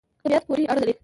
طبعیت پوری اړه لری